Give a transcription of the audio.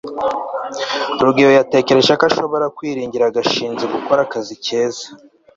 rugeyo yatekereje ko ashobora kwiringira gashinzi gukora akazi keza